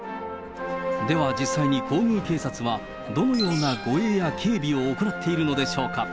では実際に皇宮警察はどのような護衛や警備を行っているのでしょうか。